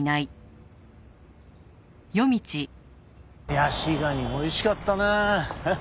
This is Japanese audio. ヤシガニおいしかったなあ。